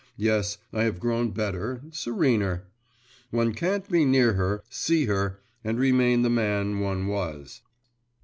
Yes, I have grown better, serener. One can't be near her, see her, and remain the man one was.